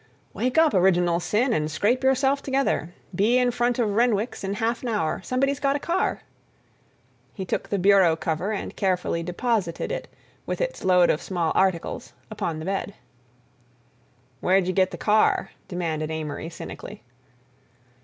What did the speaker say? "Wake up, Original Sin, and scrape yourself together. Be in front of Renwick's in half an hour. Somebody's got a car." He took the bureau cover and carefully deposited it, with its load of small articles, upon the bed. "Where'd you get the car?" demanded Amory cynically.